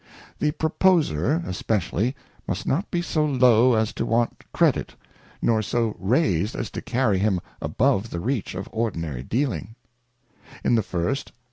The Proposer especially, must not be so low as to want credit, nor so raised as to carry him above the reach of ordinary deal ing. In the first.